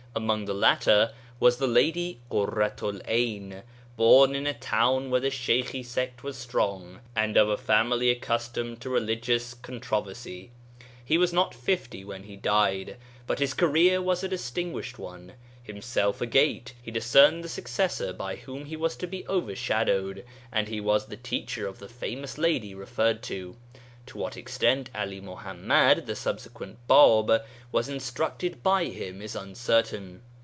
Among the latter was the lady Kurratu'l 'Ayn, born in a town where the Sheykhi sect was strong, and of a family accustomed to religious controversy. He was not fifty when he died, but his career was a distinguished one. Himself a Gate, he discerned the successor by whom he was to be overshadowed, and he was the teacher of the famous lady referred to. To what extent 'Ali Muḥammad (the subsequent Bāb) was instructed by him is uncertain.